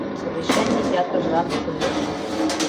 Совещаний ятыр жап шуйныш.